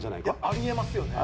あり得ますよね。